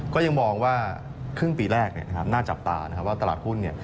ก็ยังมองว่าครึ่งปีแรกน่าจับตานะครับว่าตลาดหุ้น